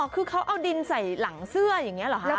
คือเขาเอาดินใส่หลังเสื้ออย่างนี้เหรอคะ